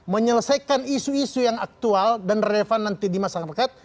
menyelesaikan isu isu yang aktual dan relevan nanti di masyarakat